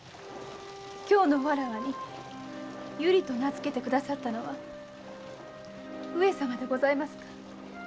今日のわらわに“百合”と名付けてくださったのは上様でございますか？